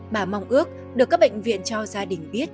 bà mong ước được các bệnh viện cho gia đình biết